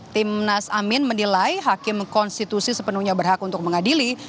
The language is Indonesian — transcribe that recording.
tim nas amin menilai hakim konstitusi sepenuhnya berhak untuk mengadili